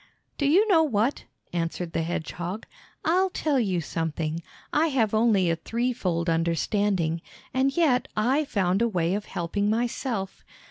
"Do you know what," answered the hedgehog, "I'll tell you something. I have only a threefold understanding, and yet I found a way of helping myself.